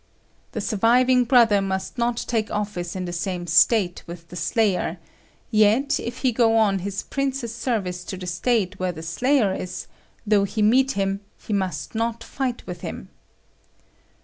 'The surviving brother must not take office in the same State with the slayer; yet, if he go on his prince's service to the State where the slayer is, though he meet him, he must not fight with him.'